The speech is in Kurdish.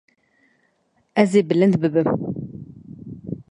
Ez ê bilind bibim.